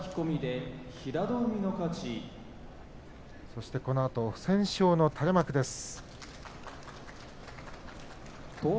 そしてこのあと不戦勝の垂れ幕です。